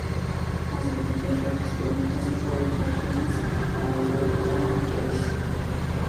ყველაზე დიდია ხეოფსის პირამიდა, საშუალო ხეფრენის, ხოლო პატარა მიკენის.